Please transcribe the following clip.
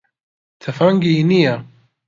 تفەنگی نییە.